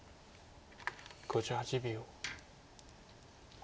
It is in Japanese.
５８秒。